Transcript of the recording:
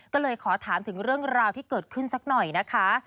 ก็เลยขอถามถึงเรื่องราวที่เกิดขึ้นสักหน่อยนะคะ